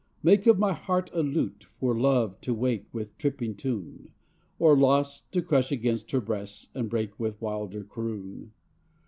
Make of my heart a lute, for Love to wake With tripping tune; Or Loss to crush against her breast and break With wilder croon.